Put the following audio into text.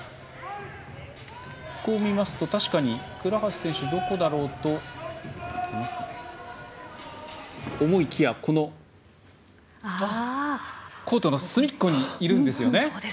こう見ますと確かに倉橋選手どこだろうと思いきやコートの隅っこにいるんですね。